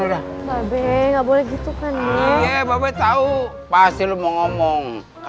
nol bu dua jauh jauh